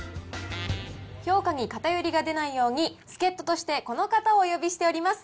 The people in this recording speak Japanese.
評価に偏りが出ないように、助っ人として、この方をお呼びしております。